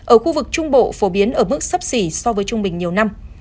ở khu vực trung bộ phổ biến ở mức sấp xỉ so với trung bình nhiều năm